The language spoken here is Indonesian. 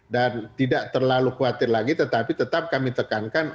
dan tidak terlalu khawatir lagi tetapi tetap kami tekankan